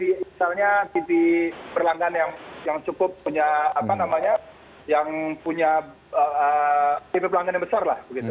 misalnya tv berlangganan yang cukup punya tv berlangganan yang besar